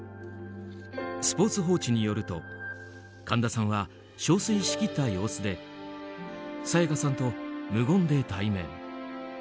スポーツ報知によると神田さんは憔悴しきった様子で沙也加さんと無言で対面。